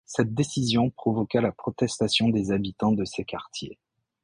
Cette décision provoqua la protestation des habitants de ces quartiers.